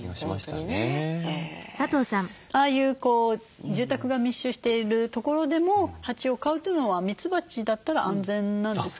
ああいう住宅が密集している所でも蜂を飼うというのはミツバチだったら安全なんですかね？